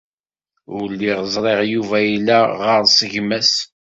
Ur lliɣ ẓriɣ Yuba yella ɣer-s gma-s.